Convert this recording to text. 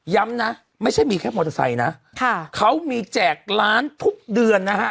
ย้ำนะไม่ใช่มีแค่มอเตอร์ไซค์นะเขามีแจกล้านทุกเดือนนะฮะ